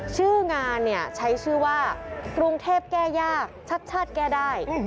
ชื่องานเนี่ยใช้ชื่อว่ากรุงเทพแก้ยากชัดชาติแก้ได้